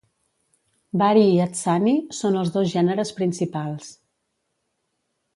Bahri i Adsani són els dos gèneres principals.